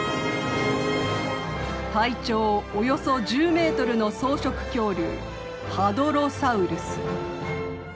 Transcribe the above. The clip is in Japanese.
体長およそ１０ｍの草食恐竜ハドロサウルス。